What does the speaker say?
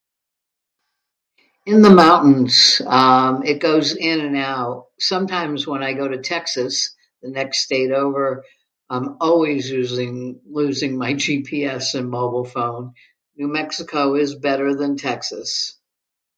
In the mountains, um, it goes in and out. Sometimes when I go to Texas, the next state over, I'm always loseling- losing my GPS and mobile phone. New Mexico is better than Texas.